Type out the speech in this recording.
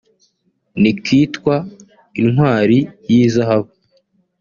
n’ikitwa “Intwari y’Izahabu